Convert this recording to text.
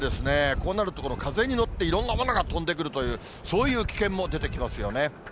こうなると、風に乗って、いろんなものが飛んでくるという、そういう危険も出てきますよね。